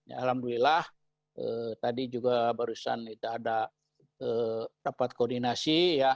alhamdulillah tadi juga barusan kita ada dapat koordinasi ya